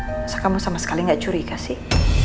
susah kamu sama sekali gak curiga sih